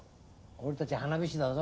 俺たち花火師だぞ。